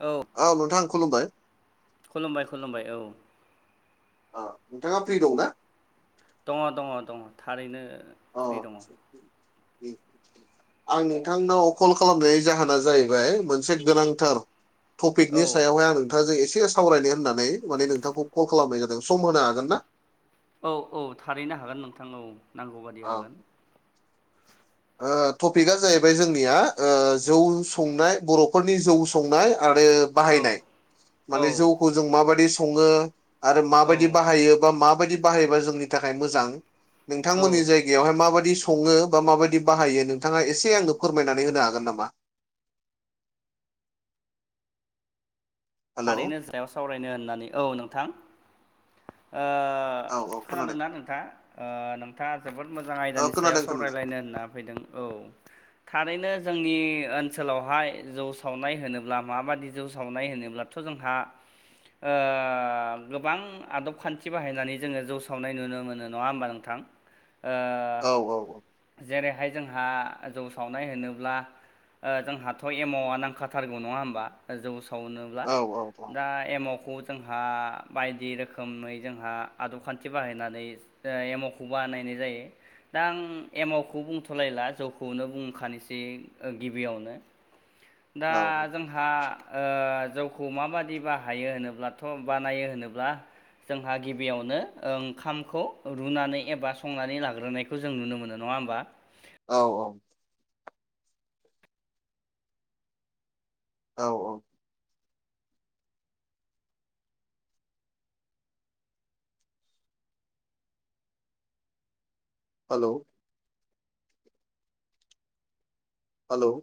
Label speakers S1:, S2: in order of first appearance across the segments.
S1: औ
S2: औ नोंथां खुलुमबाय
S1: खुलुमबाय खुलुमबाय औ
S2: नोंथाङा फ्रि दं ना
S1: दङ दङ दङ थारैनो
S2: अ
S1: फ्रि दङ
S2: आं नोंथांनाव कल खालामनायनि जाहोना जाहैबाय मोनसे गोनांथार टपिकनि
S1: औ
S2: सायावहाय आं नोंथांजों एसे सावरायनो होननानै माने नोंथांखौ कल खालामनाय जादों सम होनो हागोन ना
S1: औ औ थारैनो हागोन नोंथां औ नांगौ बादि
S2: ओ
S1: हागोन
S2: टपिकआ जाहैबाय जोंनिया जौ संनाय बर'फोरनि जौ संनाय आरो
S1: औ
S2: बाहायनाय
S1: औ
S2: माने जौखौ जों माबायदि सङो आरो माबायदि
S1: औ
S2: बाहायो बा माबायदि बाहायोबा जोंनि थाखाय मोजां
S1: औ
S2: नोंथांमोननि जाय गायावहाय माबायदि सङो बा माबायदि बाहायो नोंथाङा एसे आंनो फोरमायनानै होनो हागोन नामा हेलौ
S1: थारैनो सायाव सावरायनो होननानै औ नोंथां
S2: औ औ
S1: खोनदों
S2: खोनादों
S1: ना नोंथाङा औ नों थाङा जोबोद मोजां
S2: औ
S1: आयदानि
S2: खोनादों
S1: सायाव
S2: खोनादों
S1: सावरायलायनो होनना फैदों औ
S2: [inaudible]
S1: थारैनो जोंनि ओनसोलावहाय जौ सावनाय होनोब्ला माबादि जौ सावनाय होनोब्ला थ' जोंहा गोबां आदब खान्थि बाहायनानै जोङो जौ सावनाय नुनो मोनो नङा होमबा नोंथां ओ
S2: औ औ औ
S1: जेरैहाय जोंहा जौ सावनाय होनोब्ला ओ जोंहाथ' एमावा नांखाथारगौ नङा होमबा जौ सावनोब्ला
S2: औ औ
S1: दा एमावखौ जोंहा बायदि रोखोमै जोंहा आदब खान्थि बाहायनानै एमावखौ बानायनाय जायो दा आं एमावखौ बुंथ'लायला जौखौनो बुंखानोसै गिबियावनो
S2: [inaudible]
S1: दा जोंहा ओ जौ खौ माबादि बाहायो होनोब्लाथ' बानायो होनोब्ला जोंहा गिबियावनो ओंखामखौ रुनानै एबा संनानै लाग्रोनाय खौ जों नुनो मोनो नङा होमबा
S2: औ औ औ औ हेलौ हेलौ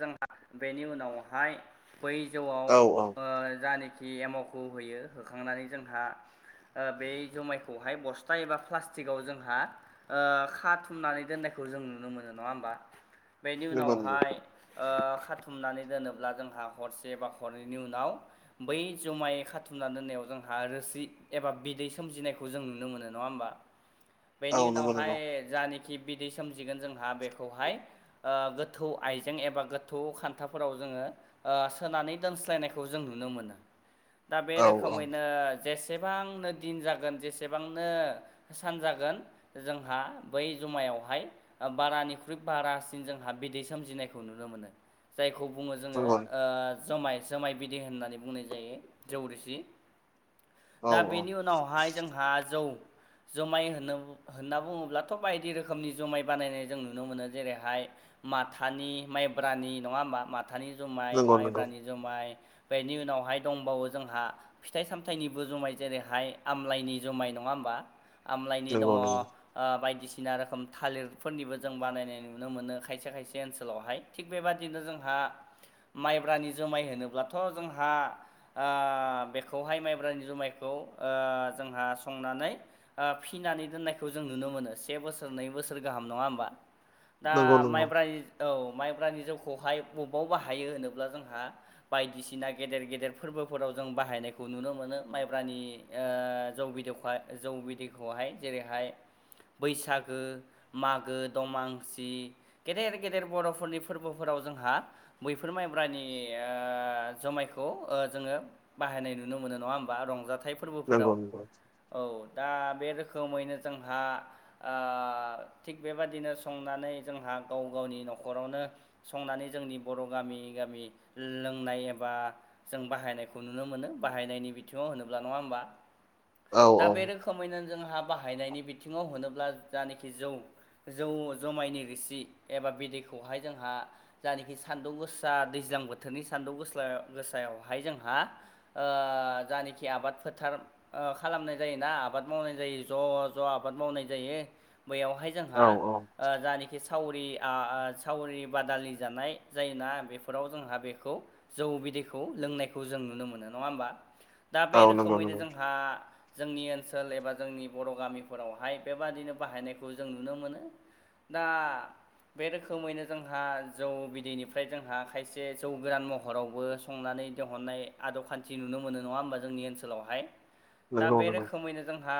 S1: जोंहा बेनि उनावहाय बै जौआव
S2: औ औ
S1: ओ जनाखि जानाखि एमावखौ होयो होखांनानै जोंहा ओ बे जुमायखौहाय बस्था एबा प्लास्टिकआव जोंहा ओ खाथुमनानै दोननायखौ जों नुनो मोनो नङा होमबा बेनि
S2: नंगौ नंगौ
S1: उनावहाय ओ खाथुमनानै दोनोब्ला जोंहा हरसे बा हरनैनि उनाव बै जुमाय खाथुमना दोननायाव जोंहा रोसि एबा बिदै सोमजिनायखौ जों नुनो मोनो नंङा होमबा
S2: [inaudible]
S1: बेनि
S2: नंगौ
S1: उनावहाय जानिखि बिदै सोमजिगोन जोंहा बेखौहाय गोथौ आइ जों एबा गोथौ खान्थाफोराव जोङो ओ सोनानै दोनस्लायनायखौ जों नुनो मोनो दा बे
S2: औ औ
S1: रोखोमैनो जेसेबांनो दिन जागोन जेसेबांनो होसान जागोन जोंहा बै जुमायावहाय बारानिख्रुइ बारासिन जोंहा बिदै सोमजिनायखौ खौ नुनो मोनो जायखौ बुङो जोङो
S2: नंगौ
S1: जमाय जुमाय बिदे होननानै बुंनाय जायो जौरिसि
S2: औ
S1: दा
S2: औ
S1: बेनि उनावहाय जोंहा जौ जुमाय होनो होनना बुङोब्लाथ' बायदि रोखोमनि जुमाय बानायनाय जों नुनो मोनो जेरैहाय माथानि माइब्रानि नंङा होमबा माथानि जुमाय
S2: नंगौ नंगौ
S1: माइब्रानि जुमाय बेनि उनावहाय दंबावो जोंहा फिथाइ सामथायाइनिबो जुमाय जेरैहाय आमलाायनि जुमाय नंङा होमबा आमलाायनि दंङ
S2: नंगौ नंगौ
S1: ओ बायदिसिना रोखोम थालिरफोरनिबो जों बानायनाय नुनो मोनो खायसे खायसे ओनसोलावहाय थिग बेबादिनो जोंहा माइब्रानि जुमाय होनोब्लाथ' जोंहा ओ बेखौहाय माइब्रानि जुमायखौ ओ जोंहा संनानै ओ फिनानै दोननायखौ जों नुनो मोनो से बोसोर नै बोसोर गाहाम नङा होमबा दा
S2: नंगौ नंगौ
S1: माइब्रानि औ माइब्रानि जौखौहाय बबाव बाहायो होनोब्ला जोंहा बायदिसिना गेदेर गेदेर फोरबोफोराव जों बाहायनायखौ नुनो मोनो माइब्रानि ओ जौ बिदैखौाय जौ बिदैखौहाय जेरैहाय बैसागो मागो दमासि गेदेर गेदेर बर' फोरनि फोरबोफोराव जोंहा बैफोर माइब्रानि ओ जुमायखौ जोंङो बाहायनाय नुनो मोनो नंङा होमबा रंजाथाइ फोरबोफोराव
S2: नंगौ नंगौ
S1: औ दा बे रोखोमैनो जोंहा ओ थिग बेबादिनो संनानै जोंहा गाव गावनि न'खरावनो संनानै जोंनि बर' गामि गामि लोंनाय एबा जों बाहायनायखौ नुनो मोनो बाहायनायनि बिथिंङाव होनोब्ला नङा होमबा
S2: औ
S1: दा बे रोखो मैनो जोंहा बाहायनायनि बिथिङाव होनोब्ला जानोखि जौ जौ जोमायनि रोसि एबा बिदैखौहाय जोंहा जानोखि सान्दुं गोसा दैज्लां बोथोरनि सान्दुं गोसा गोसायावहाय जोंहा जानोखि आबाद फोथार खालामनाय जायोना आबाद मावनाय जायो ज' ज' आबाद मावनाय जायो बैयावहाय जोंहा
S2: औ औ
S1: जानोखि सावरि आ-आ सावरि बादालि जानाय जायोना बेफोराव जोंहा बेखौ जौ बिदैखौ लोंनायखौ जों नुनो मोनो नङा होमबा दा बे
S2: औ नंगौ
S1: रोखोमैनो
S2: नंगौ
S1: जोंहा जोंनि ओनसोल एबा जोंनि बर' गामिफोरावहाय बेबादिनो बाहायनायखौ जों नुनो मोनो दा बे रोखो‌ खोमैनो जोंहा जौ बिदैनिफ्राय जोंहा खायसे जौ गोरान महरावबो संनानै दिहुननाय आदब खान्थि नुनो मोनो नंङा होमबा जोंनि ओनसोलावहाय
S2: [inaudible]
S1: दा बे
S2: नंगौ
S1: रोखोमैनो जोंहा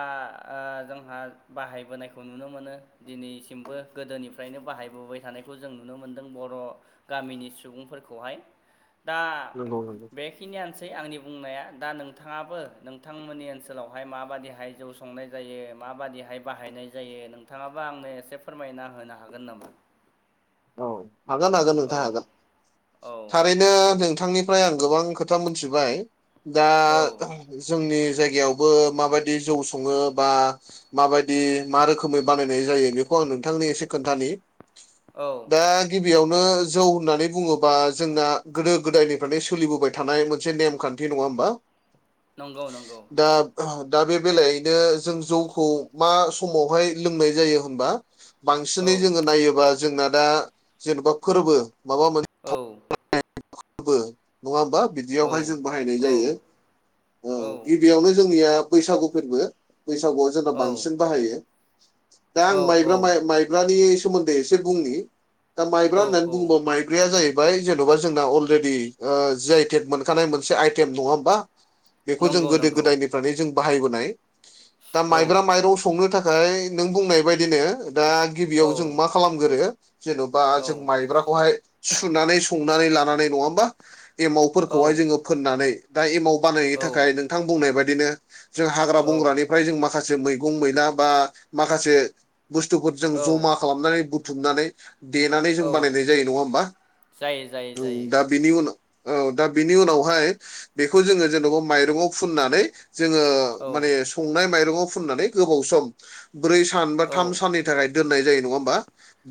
S1: जोंहा बाहायबोनायखौ नुनो मोनो दिनैसिमबो गोदोनिफ्रायनो बाहायबोबाय थानायखौ जों नुनो मोनदों बर' गामिनि सुबुंफोरखौहाय दा बे
S2: नंगौ नंगौ
S1: बेखिनियानोसै आंनि बुंनाया दा नोंथाङाबो नोंथांमोननि ओनसोलावहाय माबादिहाय जौ संनाय जायो माबादिहाय बाहायनाय जायो नोंथाङाबा आंनो एसे फोरमायना होनो हागोन नामा
S2: औ हागोन हागोन नोंथां
S1: औ
S2: हागोन
S1: औ
S2: थारैनो बेनो नोंथांनिफ्राय आं गोबां खोथा मोनथिबाय दा
S1: औ
S2: जोंनि जायगायावबो माबायदि जौ सङो बा माबायदि मा रोखोमै बानायनाय जायो बेखौ आं नोंथांनो एसे खोन्थानि
S1: औ
S2: दा गिबियावनो जौ होननानै बुङोबा जोंना गोदो गोदायनिफ्रायनो सोलिबोबाय थानाय मोनसे नेम खान न्थि नङा होमबा
S1: नंगौ नंगौ
S2: दा दा बे बेलायैनो जों जौखौ मा समावहाय लोंनाय जायो होनबा
S1: औ
S2: बांसिनै जोङो नायोबा जोंना दा जेन'बा फोरबो माबा मोन
S1: औ
S2: [unintelligible] नङा होमबा बिदि
S1: औ
S2: बिदियावहाय जों बाहायनाय
S1: औ
S2: जायो
S1: औ
S2: गिबियावनो जोंनिया बैसागु फोरबो बैसागुआव जोंना बांसिन बाहायो दा आं
S1: औ
S2: माइब्रा माइब्रानि सोमोन्दै एसे बुंनि दा माइब्रा
S1: औ
S2: होननानै
S1: औ
S2: बुङोबा माइ ब्राया जाहैबाय जेन'बा जोंना अलरेडि जि आइ टेक मोनखानाय मोनसे आइटेम नङा होमबा बेखौ जों
S1: नंगौ
S2: गोदो
S1: नंगौ
S2: गोदायनिफ्राय जों बाहायबोनाय दा
S1: औ
S2: माइब्रा माइरं संनो थाख ओफ्राय नों बुंनाय बायदिनो दा
S1: औ
S2: गिबियाव जों मा खालामगोरो जेन'बा
S1: औ
S2: जों माइब्राखौहाय सुनानै संनानै लानानै नङा होमबा एमावफोरखौहाय
S1: औ
S2: जोङो फोननानै दा एमाव बानायनो थाखाय नोंथां बुंनाय बायदिनो जों हाग्रा बंग्रानिफ्राय जों माखासे मैगं मैला बा माखासे बुस्थुफोरजों
S1: औ
S2: जमा खालामनानै बुथुमनानै देनानै जों
S1: औ औ
S2: बानायनाय जायो नङा होमबा
S1: जायो जायो जायो
S2: दा बिनि उनाव औ दा बिनि उनावहाय बेखौ जोङो जेनेबा माइरङाव फुननानै जोङो
S1: औ
S2: माने संनाय माइरंआव फुननानै गोबाव सम ब्रै सान बा थाम
S1: औ
S2: साननि दोननाय जायो नङा होनबा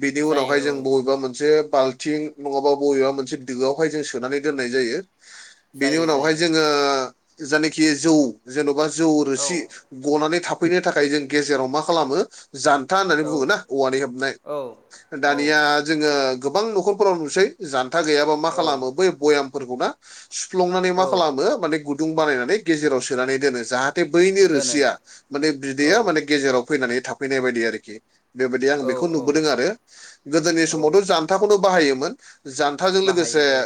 S2: बिनि उनावहाय
S1: जायो
S2: जों
S1: औ
S2: बबेबा मोनसे बाल थिं नङाबा बबेबा मोनसे दोआवहाय जों सोनानै दोननाय जायो बेनि
S1: जायो
S2: उनावहाय
S1: जायो
S2: जोङो जायनाखि जौ जेन'बा जौ रोसि
S1: औ
S2: गनानै थाफैनो थाखाय जों गेजेराव मा खालामो जान्था होननानै
S1: औ
S2: बुंङो ना औवानि हेबनाय
S1: औ औ
S2: दानिया जोङो गोबां न'खरफोराव नुसै जानथा गैयाबा मा
S1: औ
S2: खालामो बै भयामफोरखौ ना सुफ्लंनानै मा
S1: औ
S2: खालामो माने गुदुं बानायनानै गेजेराव सोनानै दोनो जाहाथे जाहाथे बैनि
S1: दोनो
S2: रोसिया माने
S1: औ
S2: बिदैया माने गेजेराव फैनानै थाफैनाय बायदि आरोखि बेबायदि आं
S1: औ
S2: बेखौ
S1: औ
S2: नुबोदों आरो गोदोनि
S1: औ
S2: समावथ' जान्थाखौनो बाहायोमोन जानथाजों लोगोसे
S1: बाहायो औ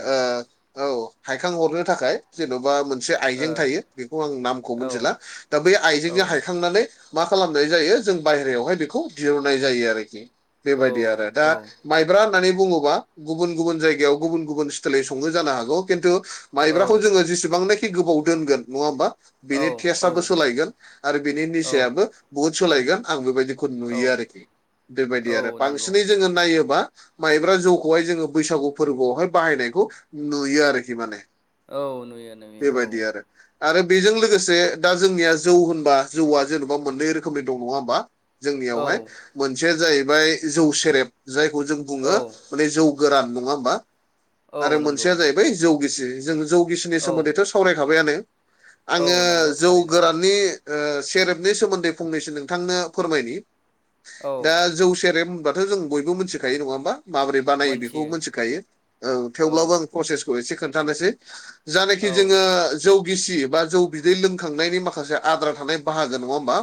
S2: औ हायखां हरनो थाखाय जेन'बा मोनसे आइजें थायो बेखौ आं नामखौ
S1: ओ औ
S2: मिथिला दा बै
S1: औ
S2: आइजेंजों हायखांनानै मा खालामनाय जायो जों बायेरायावहाय बेखौ दिहुननाय जायो आरोखि बेबायदि आरो दा
S1: औ
S2: माइब्रा होननानै बुङोबा गुबुन गुबुन जायगायाव गुबुन गुबुन स्टेलै संङो जानो हागौ खिन्थु माइब्राखौ जोङो जेसेबांनाखि गोबाव दोनगोन नङा होमबा बिनि
S1: औ
S2: टेस्टआबो सोलायगोन आरो बिनि
S1: औ
S2: निसायाबो बहुद सोलायगोन आं बेबायदि नुयो
S1: औ
S2: आरोखि बेबायदि आरो
S1: औ नंगौ
S2: बांसिनै जोङो नायोबा माइब्रा जौखौहाय जोङो बैसागु फोरबोआवहाय बाहायनायखौ नुयो आरोखि माने
S1: औ नुयो नुयो औ
S2: बेबायदि आरो आरो बेजों लोगोसे दा जोंनिया जौ होनबा जौआ जेनेबा मोननै रोखोमनि दं नङा होमबा
S1: औ
S2: जोंनियावहाय मोनसेया जाहैबाय जौ सेरेब जायखौ जों
S1: औ
S2: बुङो माने जौ गोरान नङा होमबा आरो
S1: औ नंगौ
S2: मोनसेया जाहैबाय जौ गिसि जों जौ गिसिनि
S1: औ
S2: सोमोन्दैथ' सावरायखाबायानो आङो
S1: औ नंगौ
S2: जौ
S1: थारैनो
S2: गोराननि सेरेबनि सोमोन्दै फंनैसो नोंथांनो फोरमायनि
S1: औ
S2: दा जौ सेरेब होनबाथ' जों बयबो मिथिखायो नङा होमबा माबोरै बानायायो बेखौबो
S1: मोनथियो
S2: मिथिखायो
S1: औ
S2: थेवब्लाबो आं प्रसेसखौ एसे खोन्थानोसै जानखि
S1: औ
S2: जोङो जौगिसि बा जौ बिदै लोंखांनायनि माखासे आद्रा थानाय बाहागो नङा होमबा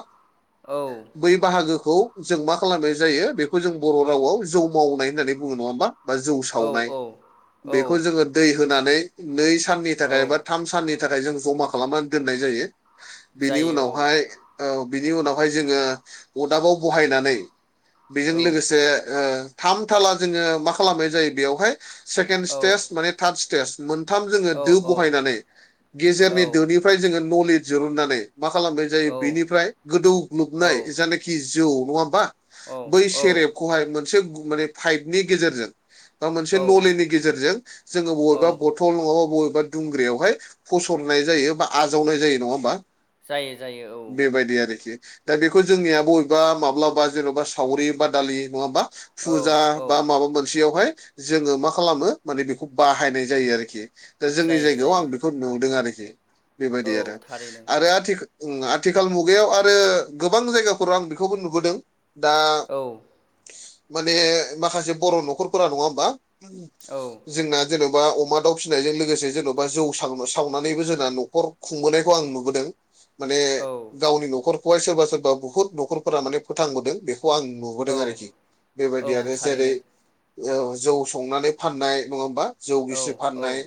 S1: औ
S2: बै बाहागोखौ जों मा खालामनाय जायो बेखौ जों बर' रावाव जौ मावनाय होननानै बुङो नङा होमबा बा जौ सावनाय
S1: औ औ
S2: बेखौ जोङो दै होनानै नै साननि
S1: औ
S2: थाखाय बा थाम साननि थाखाय जों जमा खालामनानै दोननाय जायो बेनि
S1: जायो
S2: उनावहाय औ बिनि उनावहाय जोङो अदाबाव बहायनानै बेजों
S1: औ
S2: लोगोसे थाम थाला जोङो मा खालामनाय जायो बेयावहाय सेकेणड
S1: औ
S2: स्टेज माने थार्ड स्टेज मोनथाम जोङो
S1: औ
S2: दो
S1: औ
S2: बहायनानै
S1: औ
S2: गेजेरनि दोनि फ्राय जोङो नलेज जिरुननानै मा खालामनाय जायो
S1: औ
S2: बेनिफ्राय
S1: औ
S2: गोदौग्लोबनाय जायनाखि जौ नङा होमबा बै सेरेबखौहाय मोनसे माने पाइपनि गेजेरजों बा मोनसे नलनि गेजेरजों जोङो
S1: औ
S2: बबेबा बथल थौल नङाबा बबेबा दुंग्रियावहाय फसरनाय जायो बा आजावनाय जायो नङा होमबा
S1: जायो जायो
S2: बेबायदि आरोखि दा बेखौ जोंनिया बबेबा माब्लाबा जेन'बा सावरि बा दालि नङाबा
S1: औ
S2: फुजा
S1: औ
S2: बा माबा मोनसेयावहाय जोङो मा खालामो माने बेखौ बाहायनाय जायो आरोखि दा जोंनि
S1: जायो
S2: जायगायाव आं
S1: जायो
S2: बेखौ नुदों आरोखि बेबायदि आरो
S1: औ थारैनो
S2: आरो आथिखाल आथिखाल मुगायाव आरो गोबां जायगाफोराव आं बेखौबो नुबोदों दा
S1: औ
S2: माने माखासे बर' न'खरफोरा नङा होमबा
S1: औ
S2: जोंना जेन'बा अमा दाउ फिसिनायजों लोगोसे जेन'बा जौ सावनानैबो जोंना न'खर खुंबोनायखौ आं नुबोदों माने
S1: औ
S2: गावनि न'खरखौहाय सोरबा सोरबा बुहुत न'खरफोरा माने फोथांबोदों बेखौ आं नुबोदों
S1: औ
S2: आरोखि
S1: औ
S2: बेबायदियानो जेरै
S1: थारैनो
S2: जौ संनानै फाननाय नङा होमबा जौ
S1: औ
S2: गिस्रि
S1: औ
S2: फाननाय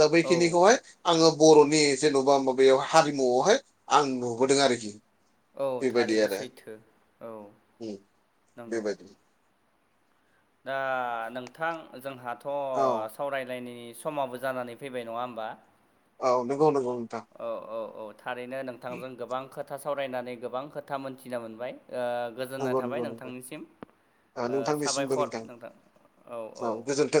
S2: दा
S1: औ
S2: बैखिनिखौहाय आङो बर'नि जेन'बा माबायाव हारिमुआवहाय आं नुबोदों आरोखि
S1: औ
S2: बेबायदि
S1: थारैनो
S2: आरो
S1: सैथो औ
S2: उम बे
S1: नंगौ
S2: बादि
S1: दा नोंथां जोंहाथ'
S2: औ
S1: सावरायलायनायनि समाबो जानानै फैबाय नङा होमबा
S2: औ नंगौ नंगौ नोंथां
S1: औ औ औ थारैनो नोंथांजों गोबां खोथा सावरायनानै गोबां खोथा मोनथिनो मोनबाय आ गोजोननाय
S2: नंगौ
S1: थाबाय
S2: नंगौ नंगौ
S1: नोंथांनिसिम ओ साबायखर नोंथां औ औ